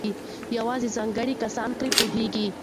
یوازې ځانګړي کسان پرې پوهېږي.